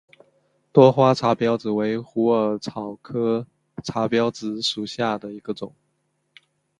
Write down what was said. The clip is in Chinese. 多花茶藨子为虎耳草科茶藨子属下的一个种。